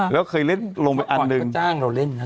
แล้วเคยเล่นลงไปอันหนึ่ง